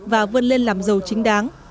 và vươn lên làm giàu chính đáng